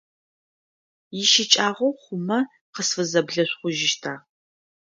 Ищыкӏагъэу хъумэ, къысфызэблэшъухъужьыщта?